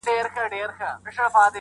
هغه د شنه ځنګله په څنډه کي سرتوره ونه!!